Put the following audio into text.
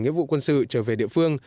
nghĩa vụ quân sự trở về địa phương